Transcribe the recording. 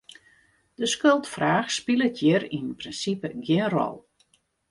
De skuldfraach spilet hjir yn prinsipe gjin rol.